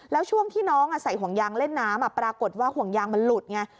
แล้วช่วงที่น้องใส่ห่วงยางเล่นน้ำปรากฏว่าห่วงยางมันหลุดไง